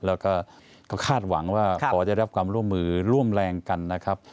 แล้วก็เขาคาดหวังว่าพอได้รับความร่วมมือร่วมแรงกันนะครับ